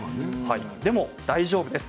でも大丈夫です。